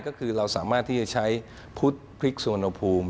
ก็คือเราสามารถที่จะใช้พุทธพริกสุวรรณภูมิ